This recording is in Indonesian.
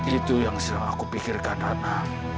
itu yang sering aku pikirkan ratna